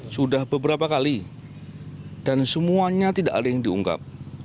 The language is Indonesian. sudah beberapa kali dan semuanya tidak ada yang diungkap